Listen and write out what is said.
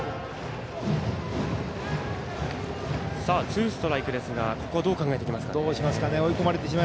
ツーストライクですがどう考えてきますか。